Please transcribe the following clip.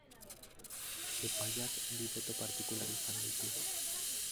Epaiak bi boto partikular izan ditu.